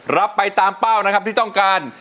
รับไปตามเป้าที่ต้องการ